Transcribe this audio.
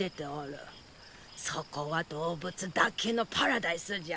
そこは動物だけのパラダイスじゃ！